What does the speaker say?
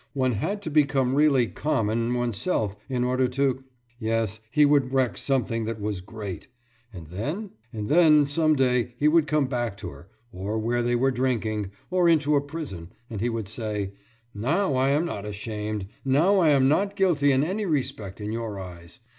One had to become really common oneself in order to.... Yes, he would wreck something that was great! And then? And then, some day he would come back to her, or where they were drinking, or into a prison, and he would say: »Now I am not ashamed, now I am not guilty in any respect in your eyes.